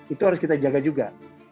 itu harus kita jaga juga